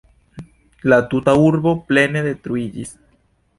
La tuta urbo plene detruiĝis.